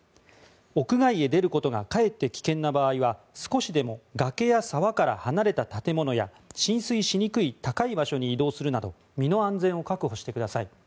屋外へ出ることがかえって危険な場合は少しでも崖や沢から離れた建物や浸水しにくい高い場所に移動するなど身の安全を確保してください。